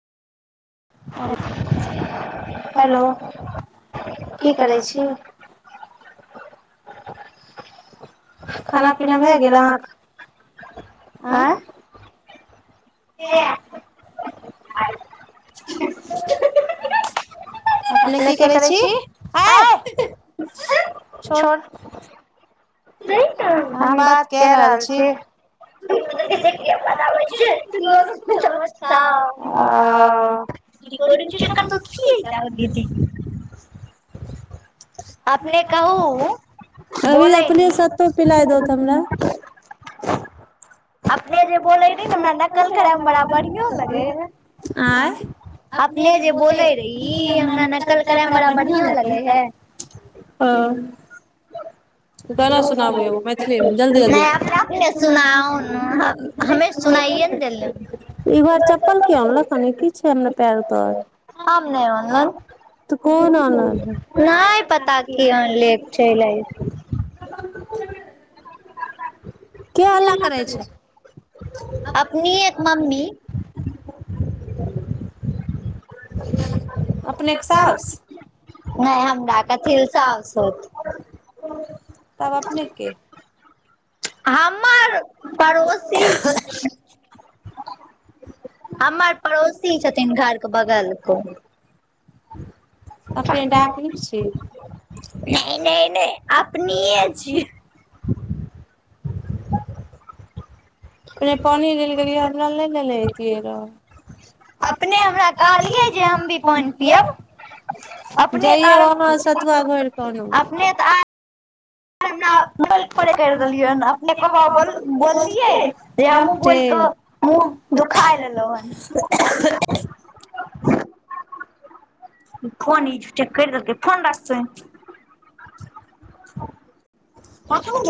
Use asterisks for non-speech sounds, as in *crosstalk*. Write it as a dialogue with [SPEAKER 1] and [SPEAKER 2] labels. [SPEAKER 1] hello की करै छी *unintelligible* *unintelligible* खाना पीना भए गेल अहाँके आंय ह *unintelligible* आ *unintelligible* *unintelligible* अपने की करै छी आइ छोट *unintelligible* हम बात क रहल छी *unintelligible* *unintelligible* अपने कहू बोलैदी अपने जे बोलै रही हमरा नकल करयमे बड़ा बढ़िआं लगै है अपने जे बोलै रही हमरा नकल करयमे बड़ा बढ़िआँ लगै हय
[SPEAKER 2] हँ गाना सुनाबू एगो मैथिलीमे जल्दी जल्दी ई घर चप्पल क अनलक हन की छै हमने पैयर तर तऽ कोन आनलक
[SPEAKER 1] की अनलेख चिै *unintelligible*
[SPEAKER 2] *unintelligible* के हल्ला करै छै
[SPEAKER 1] अपनी ए मम्मी *unintelligible* नहि हमरा कथिला साउस होत हमर पड़ोसी हमर पड़ोसी छथिन घरके बगलके ह *unintelligible* नहि नहि नहि अपने छियै *unintelligible*
[SPEAKER 2] अपने पानि लय ला गेलियै हमरा ला नहि लेलै अतियै रहए जइयौ हमरा लाय सतुआ घोर क अनियौ
[SPEAKER 1] हमरा बोल थोड़े करि देलियैन अपने बोललियै जे हमहूँ बोलि कऽ मुँह दुखाय लेलहुँ हन ह *unintelligible* फोन इ चेक कर देलकए फोन राख तुहिं *unintelligible* कुछो न